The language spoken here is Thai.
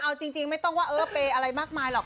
เอาจริงไม่ต้องว่าเออเปย์อะไรมากมายหรอก